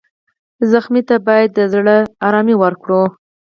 ټپي ته باید د زړه تسکین ورکړو.